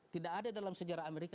tidak ada dalam sejarah amerika